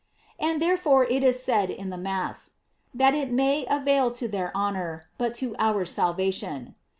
And therefore it is said in the Mass: "That it may avail to their honor, but to our salvation.